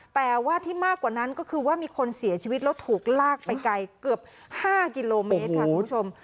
แต่ว่าที่มากกว่านั้นก็คือว่ามีคนเสียชีวิตแล้วถูกลากไปไกลเกือบ๕กิโลเมตรค่ะคุณผู้ชม